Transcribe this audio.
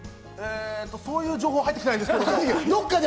そういう情報、入ってきていないんですけれども。